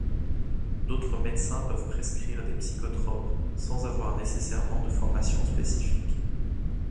D'autres médecins peuvent prescrire des psychotropes, sans avoir nécessairement de formation spécifique.